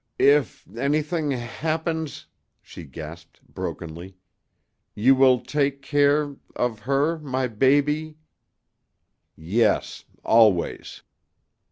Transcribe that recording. "If anything happens," she gasped, brokenly, "you will take care of her my baby " "Yes always."